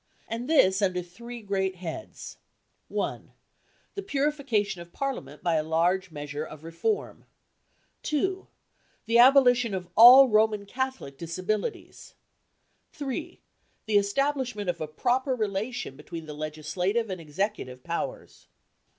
And this under three great heads: (1) The purification of Parliament by a large measure of reform; (2) the abolition of all Roman Catholic disabilities; (3) the establishment of a proper relation between the Legislative and the Executive powers.